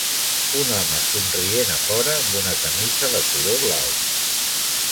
Un home somrient afora amb una camisa de color blau.